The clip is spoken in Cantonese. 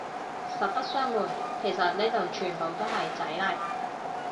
實不相暪，其實呢度全部都係仔嚟